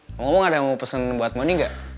mau ngomong ada mau pesen buat mondi gak